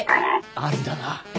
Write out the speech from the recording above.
ありだな。